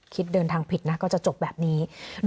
เดินทางผิดนะก็จะจบแบบนี้